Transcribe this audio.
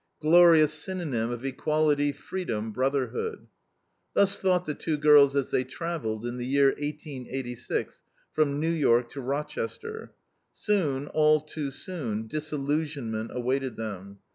Glorious synonym of equality, freedom, brotherhood. Thus thought the two girls as they travelled, in the year 1886, from New York to Rochester. Soon, all too soon, disillusionment awaited them.